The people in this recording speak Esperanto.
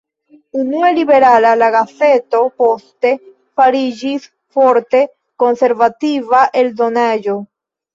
Unue liberala, la gazeto poste fariĝis forte konservativa eldonaĵo.